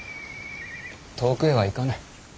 遠くへは行かぬ。